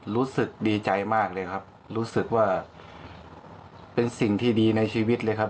รู้สึกดีใจมากเลยครับรู้สึกว่าเป็นสิ่งที่ดีในชีวิตเลยครับ